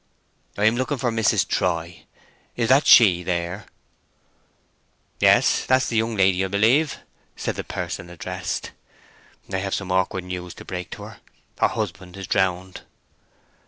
"I am looking for Mrs. Troy. Is that she there?" "Yes; that's the young lady, I believe," said the the person addressed. "I have some awkward news to break to her. Her husband is drowned."